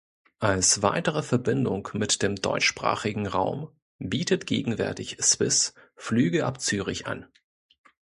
Als weitere Verbindung mit dem deutschsprachigen Raum bietet gegenwärtig Swiss Flüge ab Zürich an.